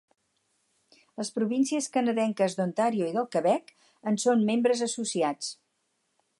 Les províncies canadenques d'Ontario i del Quebec en són membres associats.